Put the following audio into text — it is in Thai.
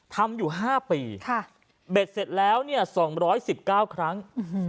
ทำอยู่๕ปีเบ็ดเสร็จแล้ว๒๑๙ครั้ง